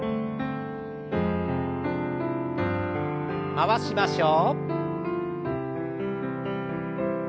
回しましょう。